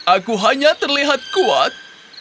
aku hanya terlihat kuat